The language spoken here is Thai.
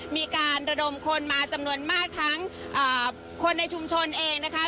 มีการระดมคนมาจำนวนมากทั้งคนในชุมชนเองนะคะ